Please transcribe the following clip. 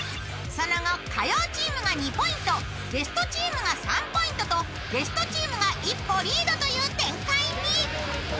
その後火曜チームが２ポイント、ゲストチームが３ポイントとゲストチームが一歩リードという展開に。